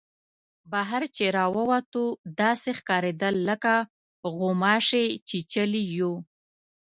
بهر چې را ووتو داسې ښکارېدل لکه غوماشې چیچلي یو.